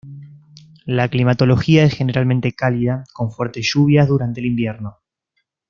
La climatología es generalmente cálida, con fuertes lluvias durante el invierno.